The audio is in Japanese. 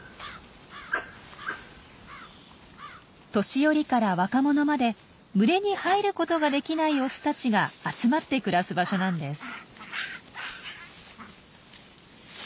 年寄りから若者まで群れに入ることができないオスたちが集まって暮らす場所なんです。